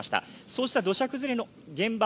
そうした土砂崩れの現場